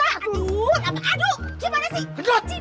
aduh gimana sih